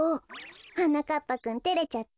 はなかっぱくんてれちゃって。